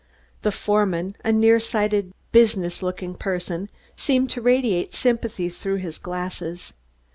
The foreman, a near sighted business looking person, seemed to radiate sympathy through his glasses.